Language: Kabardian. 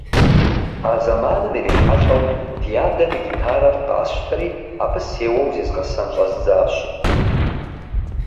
А зэманым ирихьэлӀэу ди адэм и гитарэр къасщтэри, абы сеуэу зезгъэсэн щӀэздзащ.